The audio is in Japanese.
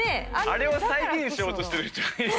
あれを再現しようとしてる人がいる。